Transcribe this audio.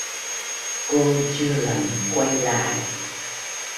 Cô chưa lần quay lại